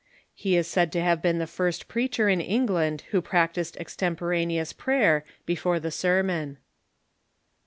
He is said to have been the first preacher in England Avho practised extemporaneous prayer before the sermon.